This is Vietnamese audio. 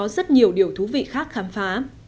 rất nhiều điều thú vị khác khám phá